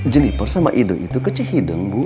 jennifer sama idoi itu ke cihideng bu